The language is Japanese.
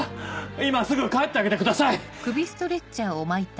今すぐ帰ってあげてください。